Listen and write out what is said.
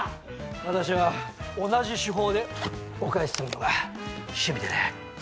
私は同じ手法でお返しするのが趣味でね。